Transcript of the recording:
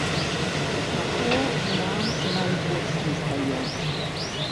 Чаго нам найбольш нестае?